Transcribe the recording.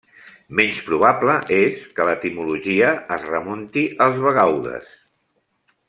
Menys probable és que l'etimologia es remunti als bagaudes.